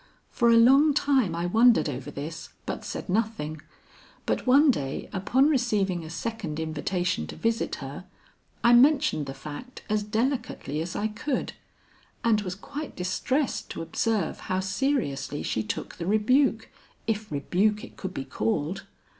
For a long time I wondered over this but said nothing, but one day upon receiving a second invitation to visit her, I mentioned the fact as delicately as I could, and was quite distressed to observe how seriously she took the rebuke, if rebuke it could be called.